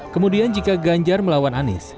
kemudian jika ganjar melawan anies